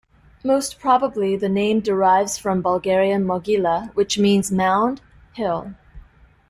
Most probably the name derives from Bulgarian "Mogila" which means "mound", "hill".